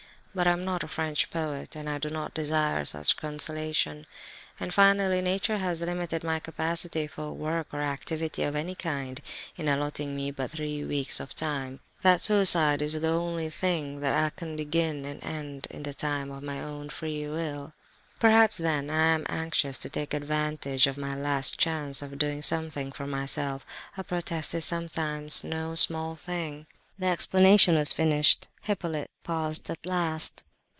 But I am not a French poet, and I do not desire such consolation. And finally, nature has so limited my capacity for work or activity of any kind, in allotting me but three weeks of time, that suicide is about the only thing left that I can begin and end in the time of my own free will. "Perhaps then I am anxious to take advantage of my last chance of doing something for myself. A protest is sometimes no small thing." The explanation was finished; Hippolyte paused at last.